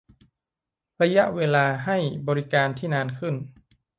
- ระยะเวลาให้บริการที่นานขึ้น